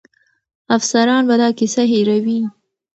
افسران به دا کیسه هېروي.